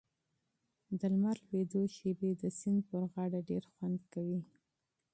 د لمر لوېدو شېبې د سیند پر غاړه ډېر خوند کوي.